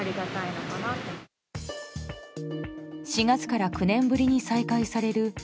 ４月から９年ぶりに再開される